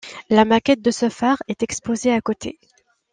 La maquette de ce phare est exposée à côté.